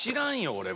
俺も。